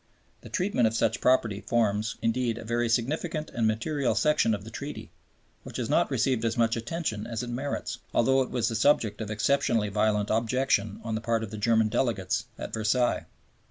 The treatment of such property forms, indeed, a very significant and material section of the Treaty, which has not received as much attention as it merits, although it was the subject of exceptionally violent objection on the part of the German delegates at Versailles.